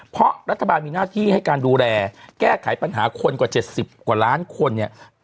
เพราะรัฐบาลมีหน้าที่ให้การดูแลแก้ไขปัญหาคนกว่า๗๐กว่าล้านคนเนี่ย